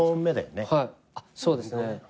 そうですね。